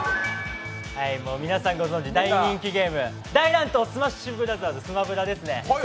もう皆さんご存じ、大人気ゲーム「大乱闘スマッシュブラザーズ」ですね。